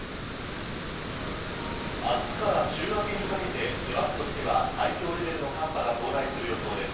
明日から週明けにかけて師走としては最強レベルの寒波が到来する予想です。